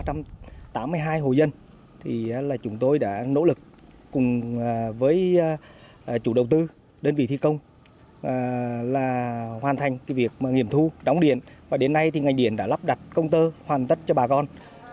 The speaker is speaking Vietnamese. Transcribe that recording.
trong năm hai nghìn hai mươi hai hồ dân chúng tôi đã nỗ lực cùng với chủ đầu tư đơn vị thi công hoàn thành việc nghiệm thu đóng điện và đến nay ngành điện đã lắp đặt công tơ hoàn tất cho bà con